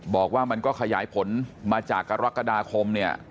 บอกว่ามันก็ขยายผลมาจากกรกฎาคมเนี่ย